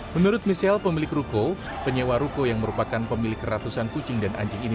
menurut michelle pemilik ruko penyewa ruko yang merupakan pemilik ratusan kucing dan anjing ini